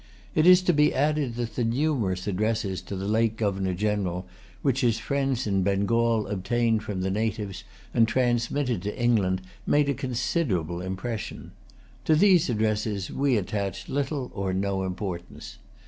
It is to be added that the numerous addresses to the late Governor General, which[Pg 235] his friends in Bengal obtained from the natives and transmitted to England, made a considerable impression. To these addresses we attach little or no importance.